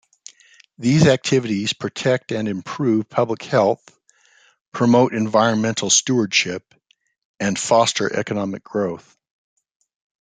These activities protect and improve public health, promote environmental stewardship, and foster economic growth.